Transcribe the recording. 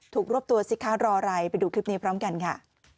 รวบตัวสิคะรออะไรไปดูคลิปนี้พร้อมกันค่ะ